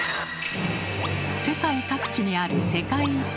世界各地にある世界遺産。